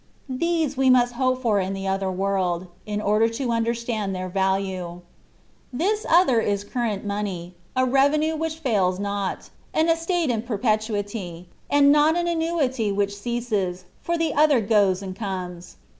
These we must hope for in the other world, in order to understand their value. This other is current money — a revenue which fails not — an estate in perpetuity, and not an annuity which ceases (for the other goes and comes).